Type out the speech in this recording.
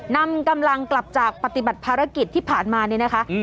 นำกำลังกลับจากปฏิบัติภารกิจที่ผ่านมาเนี่ยนะคะ